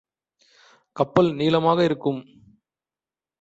கப்பல் நீளமாக இருக்கும்.